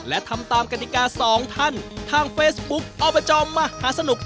และทำตามกฎิกาสองท่านทางเฟซบุ๊คอบจมหาสนุก